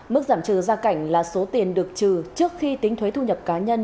mức giảm trừ gia cảnh là số tiền được trừ trước khi tính thuế thu nhập cá nhân